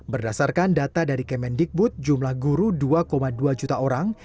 berdasarkan data dari kemendikbud jumlah guru dua dua juta orang